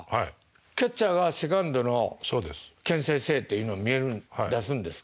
キャッチャーが「セカンドのけん制せい」って出すんですか。